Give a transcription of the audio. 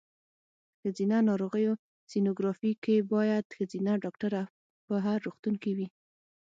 ښځېنه ناروغیو سینوګرافي کې باید ښځېنه ډاکټره په هر روغتون کې وي.